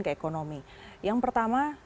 ke ekonomi yang pertama